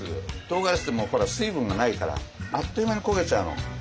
とうがらしって水分がないからあっという間に焦げちゃうの。